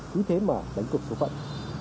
thú thế mà đánh cực số phận